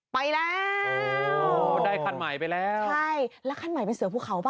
ไปแล้วได้คันใหม่ไปแล้วใช่แล้วคันใหม่เป็นเสือภูเขาป่